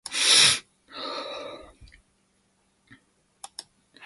Sclerites generally form within the cuticle, protruding through when they are fully grown.